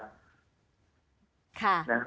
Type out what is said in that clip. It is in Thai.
โอเค